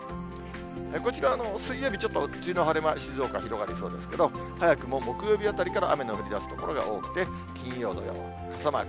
こちら、水曜日、ちょっと梅雨の晴れ間、静岡広がりそうですけど、早くも木曜日あたりから雨の降りだす所が多くて、金曜、土曜、傘マーク。